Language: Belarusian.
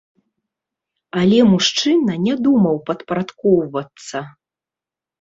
Але мужчына не думаў падпарадкоўвацца.